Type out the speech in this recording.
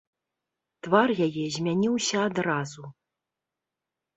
Твар яе змяніўся адразу.